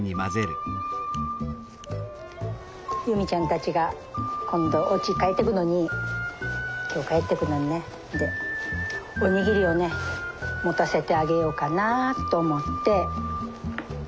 ユミちゃんたちが今度おうち帰ってくのに今日帰ってくのにねでお握りをね持たせてあげようかなと思って。